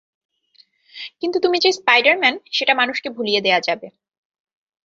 কিন্তু তুমি যে স্পাইডার-ম্যান, সেটা মানুষকে ভুলিয়ে দেয়া যাবে।